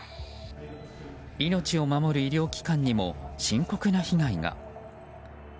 命を守る医療機関にも深刻な被害が。